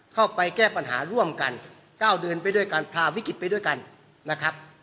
เข้าไปแก้ปัญหาร่วมกัน๙เดือนไปด้วยการพาวิกฤตไปด้วยกันนะครับ